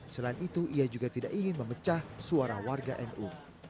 selain itu ia juga tidak ingin memecah suara warga nu